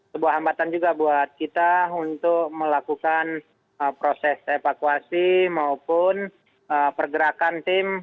sebuah hambatan juga buat kita untuk melakukan proses evakuasi maupun pergerakan tim